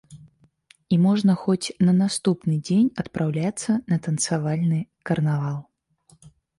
І можна хоць на наступны дзень адпраўляцца на танцавальны карнавал.